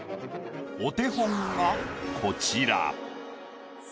お手本がこちら。